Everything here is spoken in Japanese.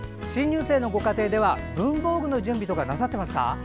新入生のご家庭では文房具の準備とかなさってますか。